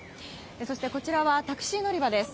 そして、こちらはタクシー乗り場です。